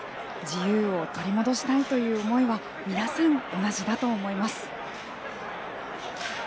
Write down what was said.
自由を取り戻したいという思いは皆さん、同じだと思います。